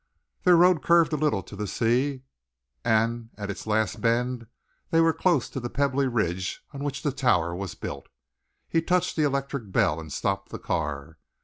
Their road curved a little to the sea, and at its last bend they were close to the pebbly ridge on which the Tower was built. He touched the electric bell and stopped the car.